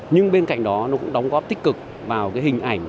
nhưng bên cạnh đó nó cũng đóng góp tích cực vào cái hình ảnh